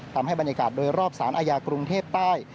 ทำให้บรรยากาศโดยรอบสารอาญากรุงเทพใต้